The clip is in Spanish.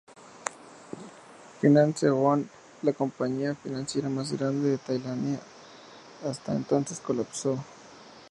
Finance One, la compañía financiera más grande de Tailandia hasta entonces, colapsó.